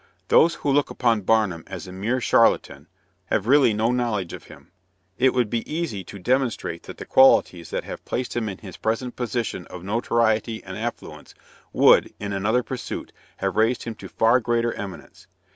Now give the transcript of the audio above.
"Those who look upon Barnum as a mere charlatan, have really no knowledge of him. It would be easy to demonstrate that the qualities that have placed him in his present position of notoriety and affluence would, in another pursuit, have raised him to far greater eminence.